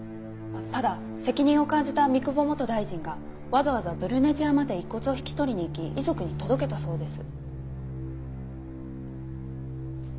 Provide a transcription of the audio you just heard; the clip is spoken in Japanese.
ただ責任を感じた三窪元大臣がわざわざブルネジアまで遺骨を引き取りに行き遺族に届けたそうです。